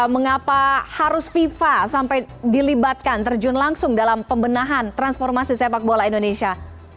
mengapa harus fifa sampai dilibatkan terjun langsung dalam pembenahan transformasi sepak bola indonesia